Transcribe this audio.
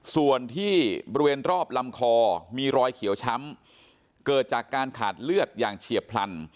ส่วนที่บริเวณรอบลำคอมีรอยเขียวช้ำเกิดจากการขาดเลือดอย่างเฉียบพลัน